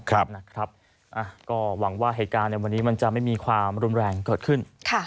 ก็หวังว่าเหตุการณ์ในวันนี้มันจะไม่มีความรุนแรงเกิดขึ้น